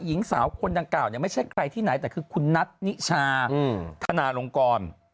หญิงสาวคนดังกล่าวเนี่ยไม่ใช่ใครที่ไหนแต่คือคุณนัทนิชาธนาลงกร